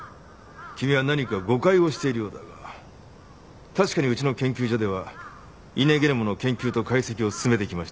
君は何か誤解をしているようだが確かにうちの研究所ではイネゲノムの研究と解析を進めてきました。